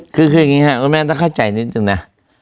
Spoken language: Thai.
อ๋อคือคืออย่างงี้ฮะโอ้ยแม่ต้องเข้าใจนิดหนึ่งน่ะ